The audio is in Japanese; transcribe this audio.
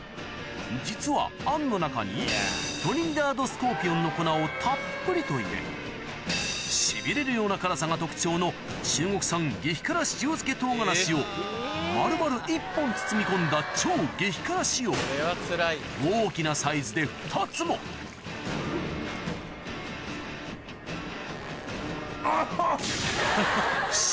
実はあんの中にトリニダード・スコーピオンの粉をたっぷりと入れ痺れるような辛さが特徴の中国産激辛塩漬け唐辛子を丸々１本包み込んだ超激辛仕様大きなサイズであっはっ！